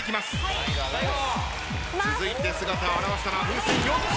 続いて姿を現したのは風船４つ。